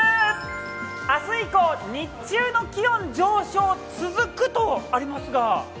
明日以降、日中の気温上昇続くとありますが？